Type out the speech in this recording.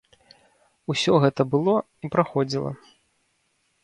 Усё гэта было і праходзіла.